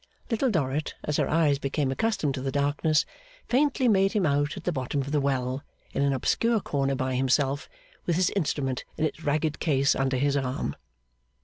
Little Dorrit, as her eyes became used to the darkness, faintly made him out at the bottom of the well, in an obscure corner by himself, with his instrument in its ragged case under his arm.